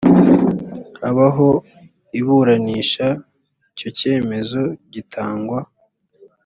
habaho iburanisha icyo cyemezo gitangwa